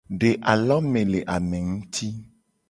De alome le ame nguti.